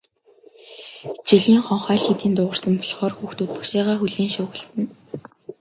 Хичээлийн хонх аль хэдийн дуугарсан болохоор хүүхдүүд багшийгаа хүлээн шуугилдана.